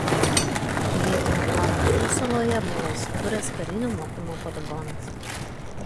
Pilietinio karo metu saloje buvo įsikūręs karinių mokymų poligonas.